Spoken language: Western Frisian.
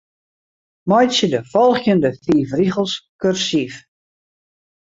Meitsje de folgjende fiif rigels kursyf.